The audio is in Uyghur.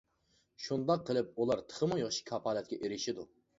شۇنداق قىلىپ ئۇلار تېخىمۇ ياخشى كاپالەتكە ئېرىشىدۇ.